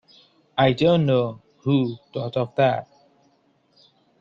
I don't know who thought of that.